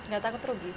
gak takut rugi